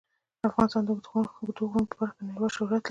افغانستان د اوږده غرونه په برخه کې نړیوال شهرت لري.